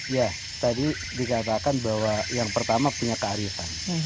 ya tadi dikatakan bahwa yang pertama punya kearifan